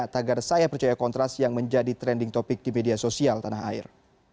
tagar saya percaya kontras yang menjadi trending topic di media sosial tanah air